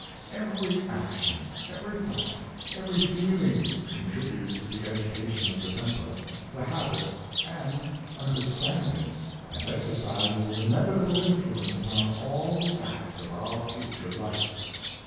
Every action, every thought, every feeling, contrib utes to the education of the temper, the habits, and understanding, and exercises an inevitable influence upon all the acts of our future life.